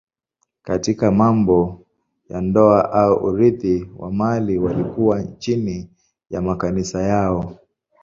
Katika mambo ya ndoa au urithi wa mali walikuwa chini ya makanisa yao.